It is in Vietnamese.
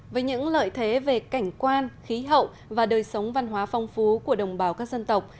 với những lợi thế về cảnh quan khí hậu và đời sống văn hóa phong phú của đồng bào các dân tộc